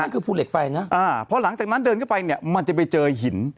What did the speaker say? คือภูเหล็กไฟนะอ่าพอหลังจากนั้นเดินเข้าไปเนี่ยมันจะไปเจอหิน